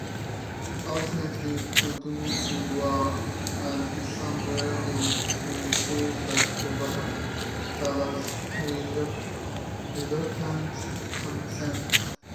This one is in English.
Ultimately, Oduduwa and his sons were able to rule with Obatala's reluctant consent.